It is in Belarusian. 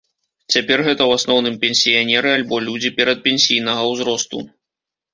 Цяпер гэта ў асноўным пенсіянеры альбо людзі перадпенсійнага ўзросту.